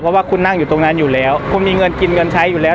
เพราะว่าคุณนั่งอยู่ตรงนั้นอยู่แล้วคุณมีเงินกินเงินใช้อยู่แล้ว